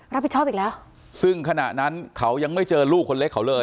รับผิดชอบอีกแล้วซึ่งขณะนั้นเขายังไม่เจอลูกคนเล็กเขาเลย